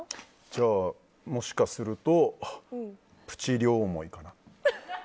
じゃあ、もしかするとプチ両想いかな。